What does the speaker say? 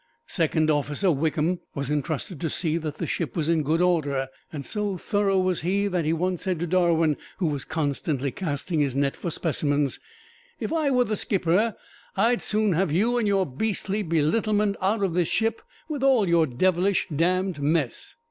Second Officer Wickham was entrusted to see that the ship was in good order, and so thorough was he that he once said to Darwin, who was constantly casting his net for specimens, "If I were the skipper, I'd soon have you and your beastly belittlement out of this ship with all your devilish, damned mess."